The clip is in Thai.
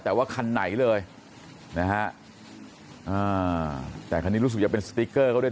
แต่ว่าคันไหนเลยนะฮะอ่าแต่คันนี้รู้สึกจะเป็นสติ๊กเกอร์เขาด้วย